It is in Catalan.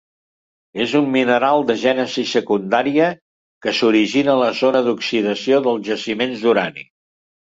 És un mineral de gènesi secundària, que s'origina a la zona d'oxidació dels jaciments d'urani.